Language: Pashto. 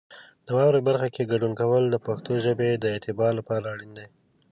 د واورئ برخه کې ګډون کول د پښتو ژبې د اعتبار لپاره اړین دي.